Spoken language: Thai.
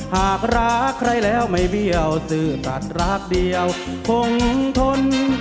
หากรักใครแล้วไม่เบี้ยวซื้อตัดรักเดียวคงทน